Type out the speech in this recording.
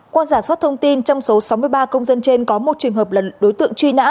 qua giả soát thông tin trong số sáu mươi ba công dân trên có một trường hợp là đối tượng truy nã